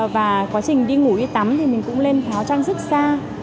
và quá trình đi ngủ đi tắm thì mình cũng lên tháo trang sức xa